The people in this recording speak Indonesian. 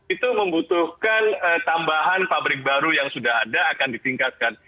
itu membutuhkan tambahan pabrik baru yang sudah ada akan ditingkatkan